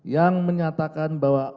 yang menyatakan bahwa